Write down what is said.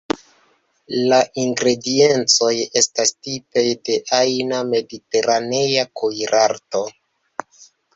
La ingrediencoj estas tipaj de ajna mediteranea kuirarto.